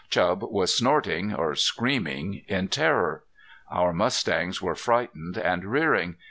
Chub was snorting or screaming in terror. Our mustangs were frightened and rearing.